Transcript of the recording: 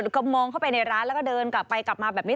แล้วก็มองเข้าไปในร้านแล้วก็เดินกลับไปกลับมาแบบนี้